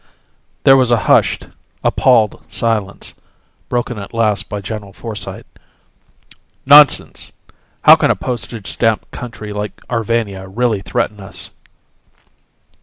There was a hushed, appalled silence, broken at last by General Forsyte. "Nonsense! How can a postage stamp country like Arvania really threaten us?"